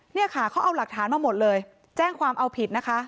เนี่ยค่ะเขาเอาหลักฐานมาหมดเลยแจ้งความเอาผิดนะคะ